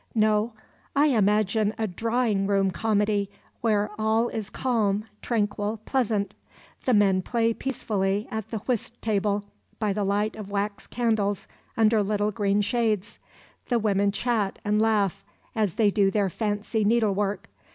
No, I imagine a drawing room comedy where all is calm, tranquil, pleasant. The men play peacefully at the whist table, by the light of wax candles under little green shades. The women chat and laugh as they do their fancy needlework.